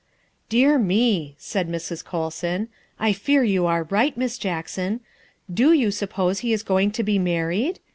" Dear me," said Mrs. Colson, " I fear you're right, Miss Jackson. Do you suppose he is going to be mar ried